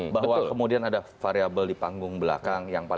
bahwa kemudian ada variable di panggung belakang yang paling